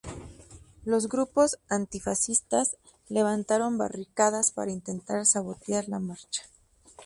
Los grupos antifascistas levantaron barricadas para intentar sabotear la marcha.